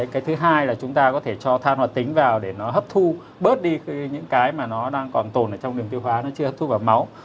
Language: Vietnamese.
cái thứ hai là chúng ta có thể cho than hoạt tính vào để nó hấp thu bớt đi những cái mà nó đang còn tồn ở trong đường tiêu hóa nó chưa hấp thu vào máu